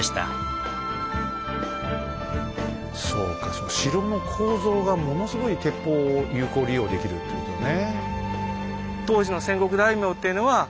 その城の構造がものすごい鉄砲を有効利用できるってことだね。